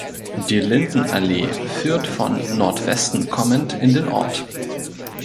Die "Lindenallee" führt von Nordwesten kommend in den Ort.